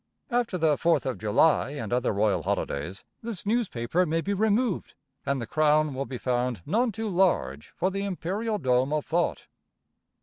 After the Fourth of July and other royal holidays, this newspaper may be removed, and the crown will be found none too large for the imperial dome of thought.